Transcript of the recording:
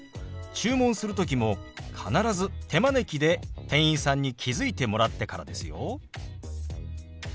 注文する時も必ず手招きで店員さんに気付いてもらってからですよ。